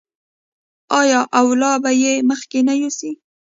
آیا او لا به یې مخکې نه یوسي؟